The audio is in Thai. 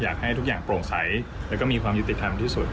อยากให้ทุกอย่างโปร่งใสแล้วก็มีความยุติธรรมที่สุด